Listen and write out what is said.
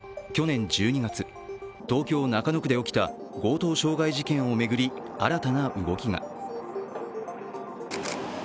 一方、去年１２月、東京・中野区で起きた強盗傷害事件を巡り新たな動きが。